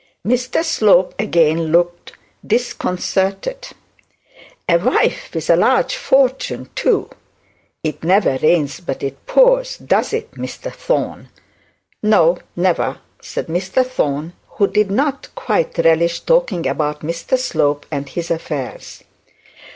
Mr Slope again looked disconcerted. 'A wife with a large fortune, too. It never rains but it pours, does it Mr Thorne?' 'No, never,' said Mr Thorne, who did not quite relish talking about Mr Slope and his affairs.